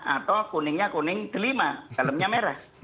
atau kuningnya kuning delima dalamnya merah